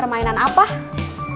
bu dalam keadaannya lo kayak gini dong